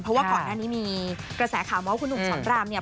เพราะว่าก่อนหน้านี้มีกระแสข่าวมาว่าคุณหนุ่มสอนรามเนี่ย